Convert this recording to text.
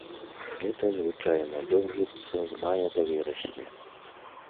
Лета звычайна доўжыцца з мая да верасня.